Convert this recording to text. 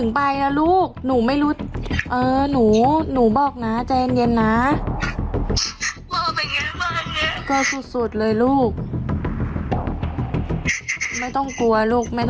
ปลอดภัย